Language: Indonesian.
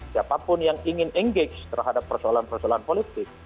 siapapun yang ingin engage terhadap persoalan persoalan politik